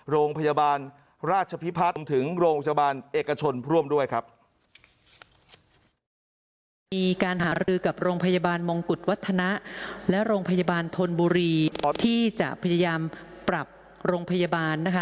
โรงพยาบาลราชพิพัฒน์ถึงโรงพยาบาลเอกชนร่วมด้วยครับ